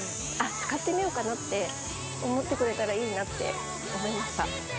使ってみようかなって思ってくれたらいいなって思いました。